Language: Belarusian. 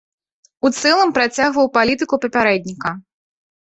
У цэлым працягваў палітыку папярэдніка.